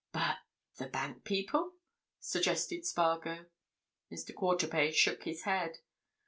"But—the bank people?" suggested Spargo. Mr. Quarterpage shook his head.